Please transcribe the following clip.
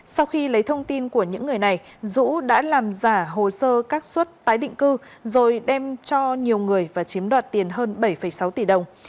sau khi lấy thông tin của những người này dũ đã làm giả hồ sơ các suất tái định cư rồi đem cho nhiều người và chiếm đoạt tiền hơn bảy sáu tỷ đồng